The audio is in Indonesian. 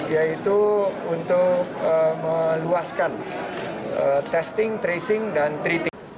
yaitu untuk meluaskan testing tracing dan treating